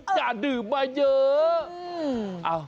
อย่าดื่มมาเยอะ